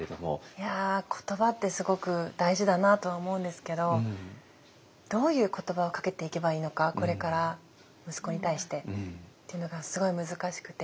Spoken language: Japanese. いや言葉ってすごく大事だなとは思うんですけどどういう言葉をかけていけばいいのかこれから息子に対してっていうのがすごい難しくて。